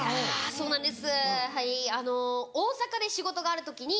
そうなんです